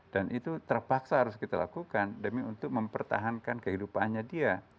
dan itu terpaksa harus kita lakukan demi untuk mempertahankan kehidupannya dia